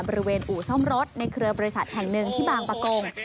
อู่ซ่อมรถในเครือบริษัทแห่งหนึ่งที่บางประกง